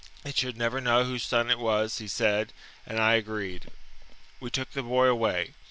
It should never know whose son it was, he said, and I agreed. We took the boy away.